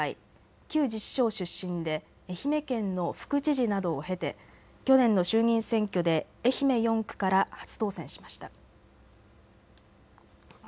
旧自治省出身で愛媛県の副知事などを経て去年の衆議院選挙で愛媛４区から初当選しました。